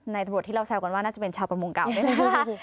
ตำรวจที่เราแซวกันว่าน่าจะเป็นชาวประมงเก่าด้วยนะคะ